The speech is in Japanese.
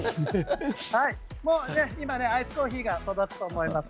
今アイスコーヒーが届くと思います。